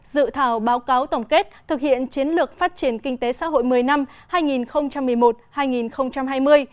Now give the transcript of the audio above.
dự thảo báo cáo tổng kết thực hiện chiến lược phát triển kinh tế xã hội một mươi năm hai nghìn một mươi một hai nghìn hai mươi